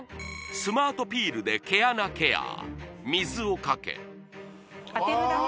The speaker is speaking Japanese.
スマートピールで毛穴ケア水をかけ当てるだけ？